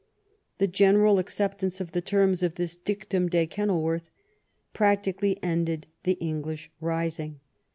The general acceptance of the terms of this " Dictum de Kenilworth " practically ended the English rising.